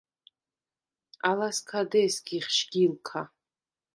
ალას ქა დე̄სგიხ შგილქა.